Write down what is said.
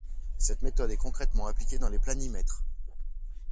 Cette méthode est concrètement appliquée dans les planimètres.